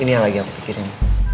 ini yang lagi aku pikirin